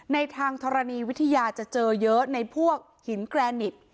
ในทางธรณีวิทยาจะเจอเยอะในพวกหินแกรนิก